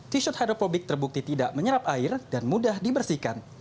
t shirt hidropobic terbukti tidak menyerap air dan mudah dibersihkan